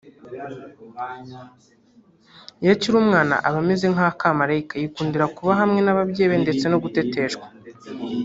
Iyo akiri umwana aba ameze nk’akamalayika yikundira kuba hamwe n’ababyeyi be ndetse no guteteshwa